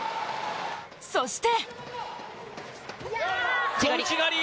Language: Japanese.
そして！